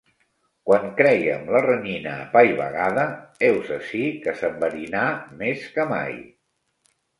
Quan crèiem la renyina apaivagada, heus ací que s'enverinà més que mai.